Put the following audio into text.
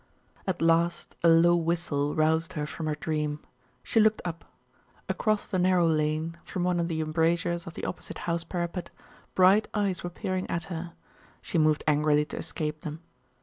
At last a low whistle roused her from her dream. She looked up. Across the narrow lane, from one of the embrasures of the opposite house parapet bright eyes were peering at her. She moved angrily to escape them.